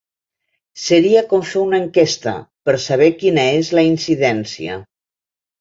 Seria com fer una enquesta, per saber quina és la incidència.